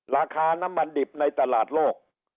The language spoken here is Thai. ราคาน้ำมันดิบในตลาดโลก